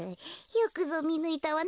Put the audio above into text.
よくぞみぬいたわね